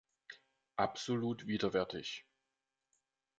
Absolut widerwärtig!